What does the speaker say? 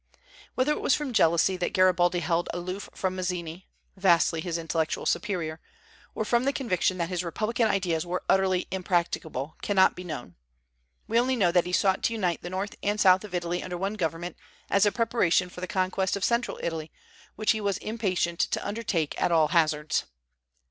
Whether it was from jealousy that Garibaldi held aloof from Mazzini, vastly his intellectual superior, or from the conviction that his republican ideas were utterly impracticable, cannot be known. We only know that he sought to unite the north and the south of Italy under one government, as a preparation for the conquest of central Italy, which he was impatient to undertake at all hazards.